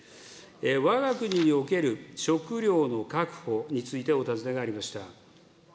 わが国における食料の確保についてお尋ねがありました。